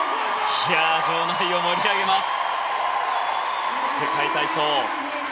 場内を盛り上げます。